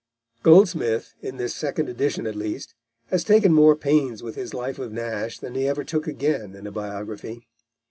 Goldsmith, in this second edition at least, has taken more pains with his life of Nash than he ever took again in a biography.